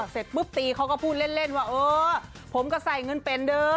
เสร็จปุ๊บตีเขาก็พูดเล่นว่าเออผมก็ใส่เงินเป็นเด้อ